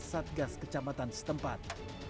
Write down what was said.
satgas kecamatan setempat